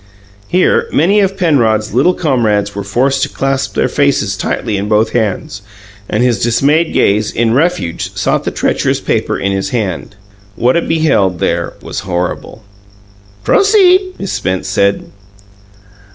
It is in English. Here many of Penrod's little comrades were forced to clasp their faces tightly in both hands; and his dismayed gaze, in refuge, sought the treacherous paper in his hand. What it beheld there was horrible. "Proceed!" Miss Spence said.